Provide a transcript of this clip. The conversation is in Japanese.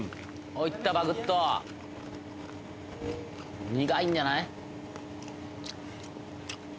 いったバクッと苦いんじゃない？